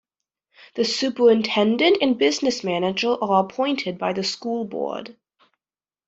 The Superintendent and Business Manager are appointed by the school board.